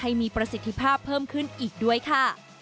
ให้มีประสิทธิภาพเพิ่มขึ้นอีกด้วยค่ะ